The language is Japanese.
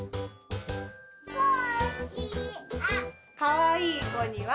かわいいこには。